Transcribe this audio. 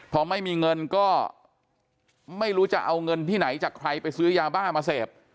พอไม่มีเงินก็ไม่รู้จะเอาเงินที่ไหนจากใครไปซื้อยาบ้ามาเสพ